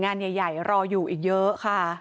งานใหญ่รออยู่อีกเยอะค่ะ